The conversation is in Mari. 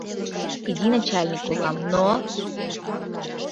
Изи начальник улам, но...